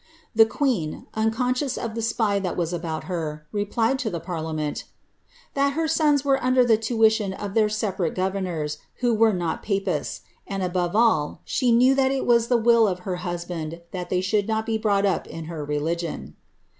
The queen, unconscious of the spy that was about her, replied to the parliament, ^ that her sons were under the tui tion of their separate governors, who were not papists ; and, above all, she knew that it was the will of her husband that they should not be brought up in her religion."